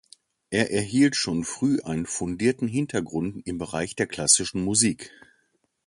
Er erhielt schon früh einen fundierten Hintergrund im Bereich der klassischen Musik.